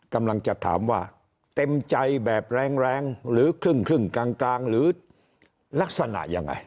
กำลังจะถามว่าเต็มใจแบบแรงหรือครึ่งกลางหรือลักษณะยังไง